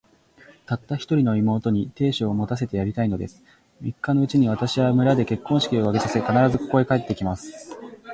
たった一人の妹に、亭主を持たせてやりたいのです。三日のうちに、私は村で結婚式を挙げさせ、必ず、ここへ帰って来ます。